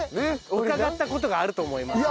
伺った事があると思います。